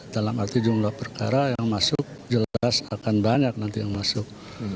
dalam arti jumlah perkara yang masuk jelas akan banyak nanti yang masuk